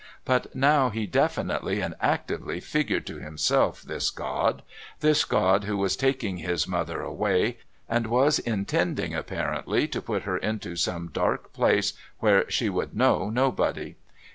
But now he definitely and actively figured to himself this God, this God Who was taking his mother away and was intending apparently to put her into some dark place where she would know nobody.